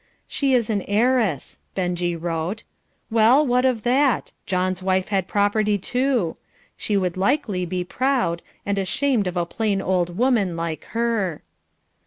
"She is an heiress," Benjie wrote. Well, what of that? John's wife had property too. She would likely be proud, and ashamed of a plain old woman like her.